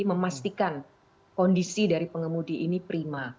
memastikan kondisi dari pengemudi ini prima